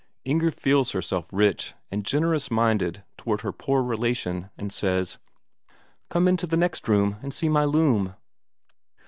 Inger feels herself rich and generous minded towards her poor relation, and says: "Come into the next room and see my loom."